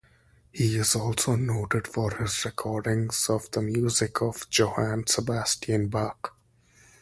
He is also noted for his recordings of the music of Johann Sebastian Bach.